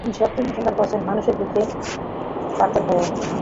তিনি সত্যের অনুসন্ধান করেছেন মানুষের দুঃখে কাতর হয়ে।